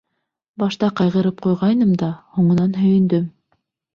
Башта ҡайғырып ҡуйғайным да, һуңынан һөйөндөм.